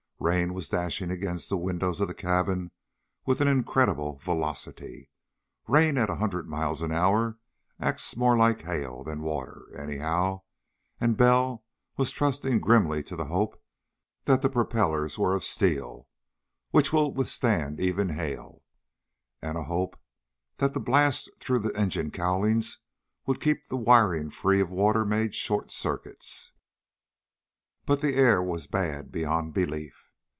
Rain was dashing against the windows of the cabin with an incredible velocity. Rain at a hundred miles an hour acts more like hail than water, anyhow, and Bell was trusting grimly to the hope that the propellers were of steel, which will withstand even hail, and a hope that the blast through the engine cowlings would keep the wiring free of water made short circuits. But the air was bad beyond belief.